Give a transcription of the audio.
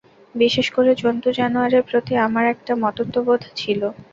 বিশেষ করে জন্তু-জানোয়ারের প্রতি আমার একটা মমত্ববোধ ছিল।